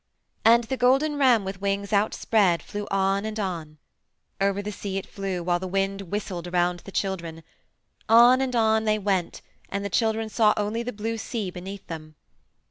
"And the golden ram with wings outspread flew on and on. Over the sea it flew while the wind whistled around the children. On and on they went, and the children saw only the blue sea beneath them.